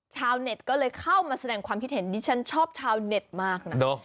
ชาวเน็ตก็เลยเข้ามาแสดงความคิดเห็นดิฉันชอบชาวเน็ตมากนะ